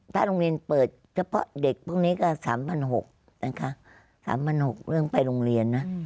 ถ้าโรงเรียนเปิดเฉพาะเด็กพวกนี้ก็๓๖๐๐นะคะ๓๖๐๐เรื่องไปโรงเรียนนะ